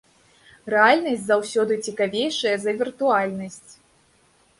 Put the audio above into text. Рэальнасць заўсёды цікавейшая за віртуальнасць.